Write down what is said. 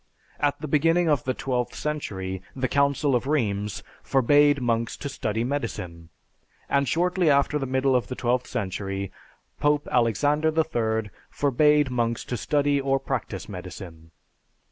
At the beginning of the twelfth century, the Council of Rheims forbade monks to study medicine; and shortly after the middle of the twelfth century, Pope Alexander III forbade monks to study or practice medicine.